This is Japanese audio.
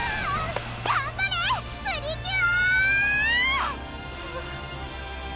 頑張れプリキュア！